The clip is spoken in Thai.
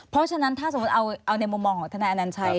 เพราะฉะนั้นถ้าสมมุติเอาในมุมมองของทนายอนัญชัย